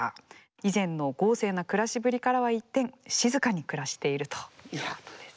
以前の豪勢な暮らしぶりからは一転静かに暮らしているということです。